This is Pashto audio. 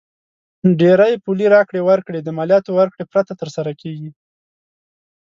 ډېری پولي راکړې ورکړې د مالیاتو ورکړې پرته تر سره کیږي.